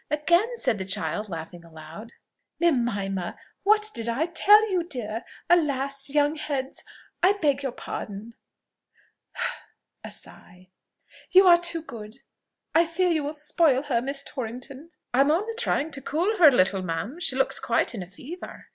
again!" said the child, laughing aloud. "Mimima! what did I tell you, dear! Alas! young heads I beg your pardon " (a sigh). "You are too good! I fear you will spoil her, Miss Torrington." "I am only trying to cool her a little, ma'am; she looks quite in a fever."